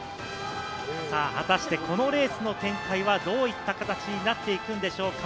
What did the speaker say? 果たして、このレースの展開はどういった形になっていくんでしょうか。